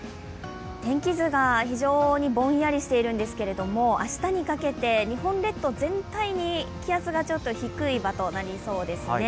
天気図が非常にぼんやりしているんですけれども、明日にかけて日本列島全体に気圧がちょっと低い場となりそうですね。